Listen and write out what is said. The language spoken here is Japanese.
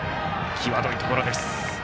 際どいところです。